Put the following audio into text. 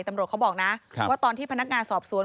ตำรวจเขาบอกนะว่าตอนที่พนักงานสอบสวน